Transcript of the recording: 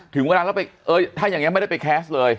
ถึงเวลาแล้วไปถ้าอย่างนี้ไม่ได้ไปแคสต์เลย